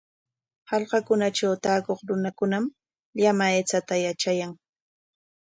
Hallqakunatraw taakuq runakunam llama aychata yatrayan.